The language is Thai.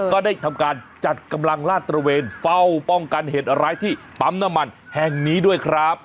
ก็ได้ทำการจัดกำลังลาดตระเวนเฝ้าป้องกันเหตุร้ายที่ปั๊มน้ำมันแห่งนี้ด้วยครับ